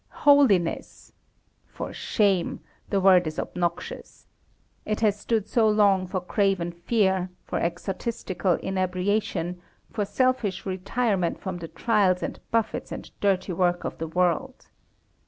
Holiness! For shame. The word is obnoxious. It has stood so long for craven fear, for exotistical inebriation, for selfish retirement from the trials and buffets and dirty work of the world.